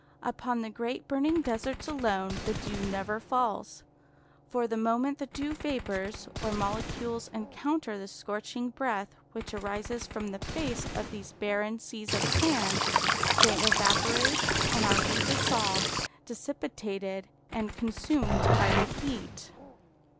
Upon the great burning deserts alone the dew never falls; for the moment the dew vapours or molecules encounter the scorching breath which arises from the face of these barren seas of sand, they evaporate and are redissolved, dissipated and consumed by the heat.